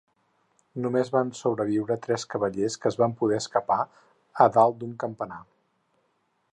Només van sobreviure tres cavallers que es van poder escapar a dalt d'un campanar.